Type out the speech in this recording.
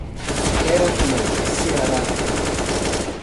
Termoceará